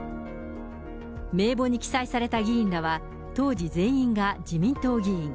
名簿に記載された議員らは、当時、全員が自民党議員。